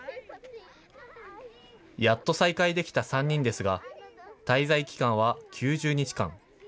やっと再会できた３人ですが、滞在期間は９０日間。